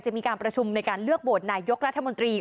จะมีการประชุมในการเลือกโหวตนายกรัฐมนตรี